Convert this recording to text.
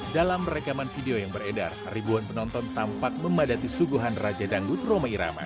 dalam rekaman video yang beredar ribuan penonton tampak memadati suguhan raja dangdut roma irama